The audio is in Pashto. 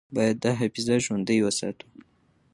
باید دا حافظه ژوندۍ وساتو.